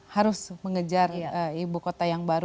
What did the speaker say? harus mengejar ibu kota yang baru